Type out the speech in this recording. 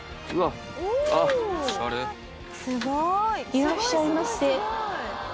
いらっしゃいませ。